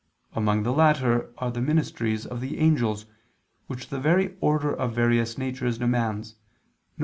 Among the latter are the ministries of the angels, which the very order of various natures demands, viz.